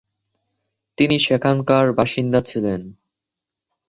তিনি সেখানকার বাসিন্দা ছিলেন।